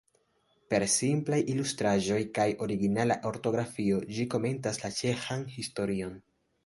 Per simplaj ilustraĵoj kaj originala ortografio ĝi komentas la ĉeĥan historion.